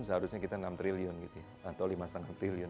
seharusnya kita enam triliun gitu ya atau lima lima triliun